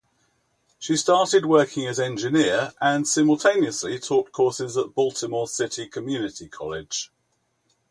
She started working as engineer and simultaneously taught courses at Baltimore City Community College.